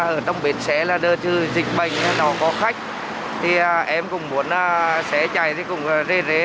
ở trong bến xé là đơn chứ dịch bệnh nó có khách thì em cũng muốn xé chạy thì cũng rê rê